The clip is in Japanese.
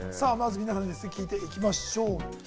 皆さんに聞いていきましょうか。